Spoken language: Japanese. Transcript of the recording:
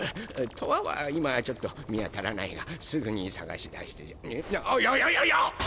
とわは今はちょっと見当たらないがすぐに捜し出してややややっ！